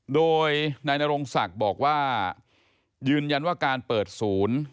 โดยนายนรงศักดิ์บอกว่ายืนยันว่าการเปิดศูนย์